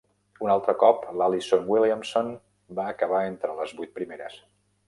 Un altre cop, l'Alison Williamson va acabar entre les vuit primeres.